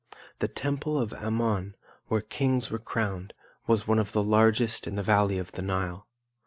The Temple of Ammon, where kings were crowned, was one of the largest in the valley of the Nile.